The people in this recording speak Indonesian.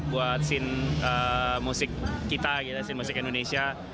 buat scene musik kita scene musik indonesia